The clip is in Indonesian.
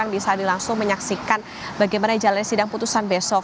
bisa langsung menyaksikan bagaimana jalannya sidang putusan besok